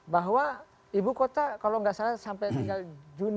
bahwa ibu kota kalau nggak salah sampai hingga juni dua ribu dua puluh ini